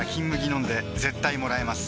飲んで絶対もらえます